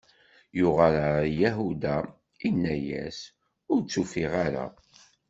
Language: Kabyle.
Yuɣal ɣer Yahuda, inna-yas: Ur tt-ufiɣ ara.